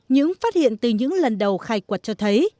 những phát hiện từ những lần đầu khai quật cho thấy